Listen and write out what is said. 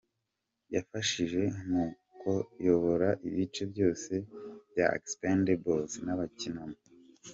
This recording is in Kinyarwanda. Yafashije mu kuyobora ibice byose bya ‘Expendables’ anabikinamo.